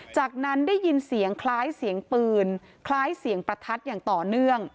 จากนั้นได้ยินเสียงคล้ายเสียงปืนคล้ายเสียงประทัดอย่างต่อเนื่อง